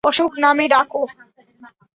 অশোক নামে ডাকো।